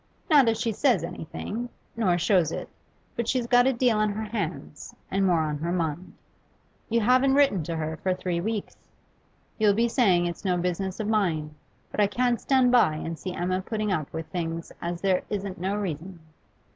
Not as she says anything, nor shows it, but she's got a deal on her hands, and more on her mind. You haven't written to her for three weeks. You'll be saying it's no business of mine, but I can't stand by and see Emma putting up with things as there isn't no reason.